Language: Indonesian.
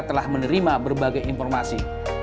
telah menerima berbagai informasi